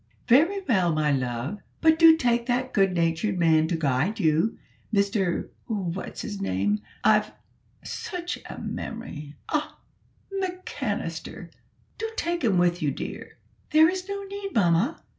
"Very well, my love, but do take that good natured man to guide you Mr What's his name, I've such a memory! Ah! McCannister; do take him with you, dear." "There is no need, mamma.